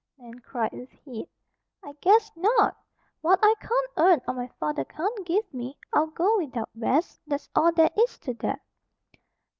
Nan cried, with heat. "I, guess, not! What I can't earn, or my father can't give me, I'll go without, Bess. That's all there is to that!"